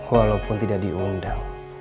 walaupun tidak diundang